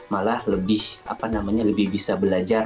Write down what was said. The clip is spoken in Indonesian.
malah lebih bisa belajar